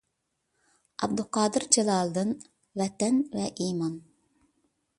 ئابدۇقادىر جالالىدىن: «ۋەتەن ۋە ئىمان»